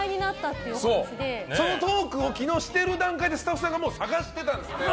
そのトークを昨日してる段階でスタッフさんが探してたんですって。